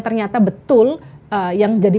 ternyata betul yang jadi